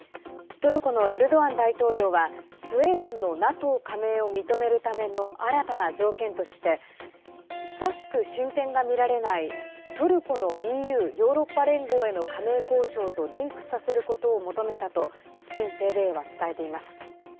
トルコのエルドアン大統領はスウェーデンのＮＡＴＯ加盟を認めるための新たな条件として久しく進展が見られないトルコのＥＵ＝ヨーロッパ連合への加盟交渉とリンクさせることを求めたとスペインＴＶＥは伝えています。